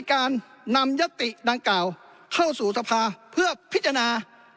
เข้าสู่สภาเพื่อพิจาณา